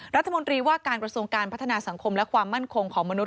รัฐมนตรีว่าการกระทรวงการพัฒนาสังคมและความมั่นคงของมนุษ